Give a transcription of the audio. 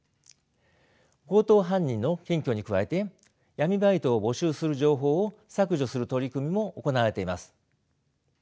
強盗犯人の検挙に加えて闇バイトを募集する情報を削除する取り組みも行われています。